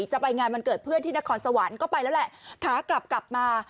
จะไปงานวันเกิดเพื่อนที่นครสวรรค์ก็ไปแล้วแหละขากลับกลับมา